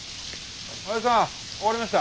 おやじさん終わりました。